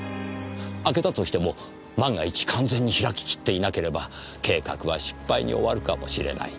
開けたとしても万が一完全に開き切っていなければ計画は失敗に終わるかもしれない。